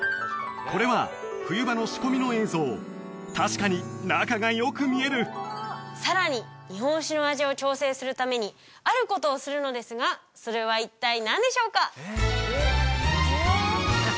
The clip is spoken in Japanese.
これは冬場の仕込みの映像確かに中がよく見えるさらに日本酒の味を調整するためにあることをするのですがそれは一体何でしょうか？